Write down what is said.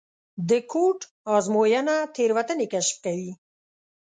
د کوډ ازموینه تېروتنې کشف کوي.